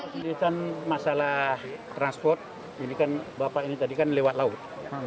kesulitan masalah transport ini kan bapak ini tadi kan lewat laut